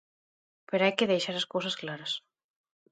Pero hai que deixar as cousas claras.